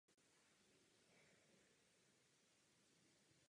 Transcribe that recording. Tím byla obnoven právní stav první republiky v plném rozsahu.